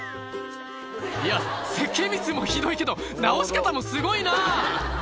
いや設計ミスもひどいけど直し方もすごいな！